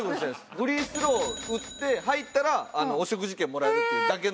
フリースロー打って入ったらお食事券もらえるっていうだけの。